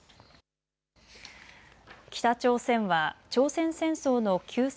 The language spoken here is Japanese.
北朝鮮は朝鮮戦争の休戦